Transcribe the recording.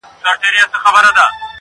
د الماسو یو غمی وو خدای راکړی-